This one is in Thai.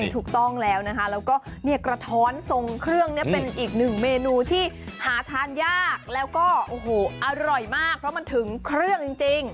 ถูกต้องแล้วนะคะแล้วก็เนี่ยกระท้อนทรงเครื่องเนี่ยเป็นอีกหนึ่งเมนูที่หาทานยากแล้วก็โอ้โหอร่อยมากเพราะมันถึงเครื่องจริง